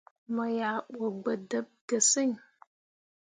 Mo yah ɓu gbǝ dǝɓ ge sǝŋ.